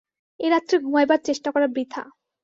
এ রাত্রে ঘুমাইবার চেষ্টা করা বৃথা।